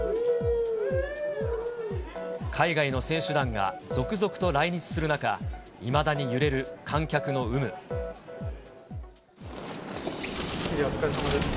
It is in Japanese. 海外の選手団が続々と来日する中、知事、お疲れさまです。